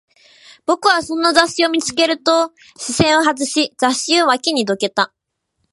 僕はそんな雑誌を見つけると、視線を外し、雑誌を脇にどけた